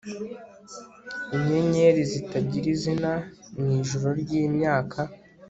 Inyenyeri zitagira izina mwijoro ryimyaka